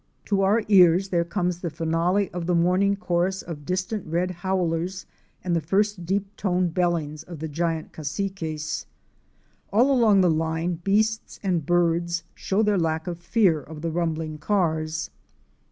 To our ears there comes the finalé of the morning chorus of distant red howlers and the first deep toned bellings of the giant Cassiques. All along the line, beasts and birds show their lack of fear of the rumbling cars.